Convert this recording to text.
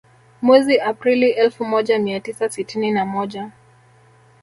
Mwezi Aprili elfu moja mia tisa sitini na moja